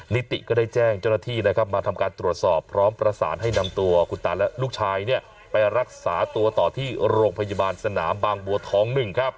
นิติก็ได้แจ้งเจ้าหน้าที่นะครับมาทำการตรวจสอบพร้อมประสานให้นำตัวคุณตาและลูกชายไปรักษาตัวต่อที่โรงพยาบาลสนามบางบัวทอง๑ครับ